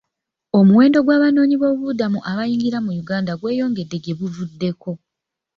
Omuwendo gw'abanoonyboobubudamu abayingira mu Uganda gweyongedde gye buvuddeko.